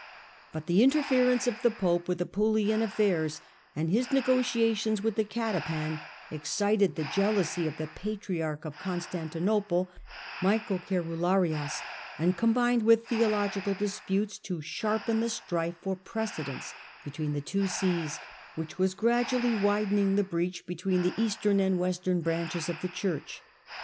But the interference of the pope with ApuUan affairs, and his negotiations with the catapan, excited the jealousy of the patriarch of Constantinople, Michael Oerularius, and combined with theological disputes to sharpen the strife for precedence between the two sees, which was gradually widening the breacb between the Eastern and Western branches of the Church.